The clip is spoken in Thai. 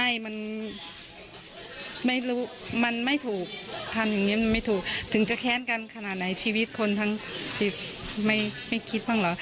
อย่างนี้ไม่ถูกถึงจะแค้นกันขนาดไหนชีวิตคนทั้งไม่คิดบ้างเหรอ